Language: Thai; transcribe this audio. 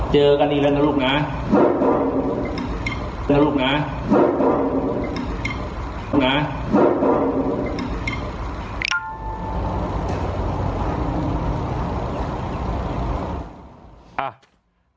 เจอกันอีกแล้วนะลูกนะนะลูกนะลูกนะ